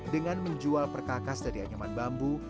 dengan menjual perkakas dari anyaman bambu